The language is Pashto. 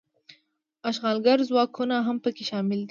اشغالګر ځواکونه هم پکې شامل دي.